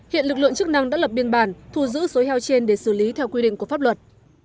hiện lực lượng chức năng đã lập biên bản thu giữ số heo trên để xử lý theo quy định của pháp luật